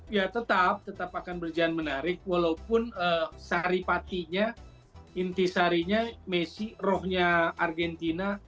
ya tetap tetap akan berjalan menarik walaupun sari patinya inti sarinya messi rohnya argentina